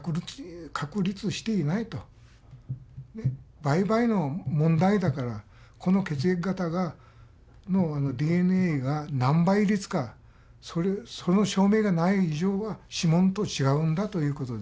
倍々の問題だからこの血液型のＤＮＡが何倍率かその証明がない以上は指紋と違うんだということで。